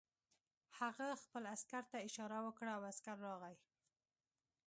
هغه خپل عسکر ته اشاره وکړه او عسکر راغی